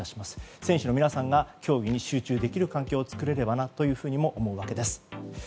選手の皆さんが競技に集中できる環境を作れればなというふうにも思うわけです。